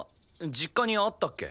実家にあったっけ？